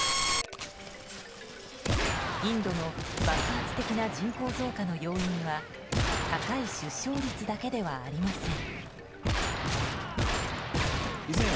インドの爆発的な人口増加の要因は高い出生率だけではありません。